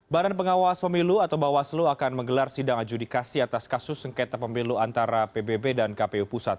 badan pengawas pemilu atau bawaslu akan menggelar sidang adjudikasi atas kasus sengketa pemilu antara pbb dan kpu pusat